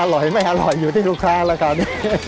อร่อยไม่อร่อยอยู่ที่ลูกค้าแล้วคราวนี้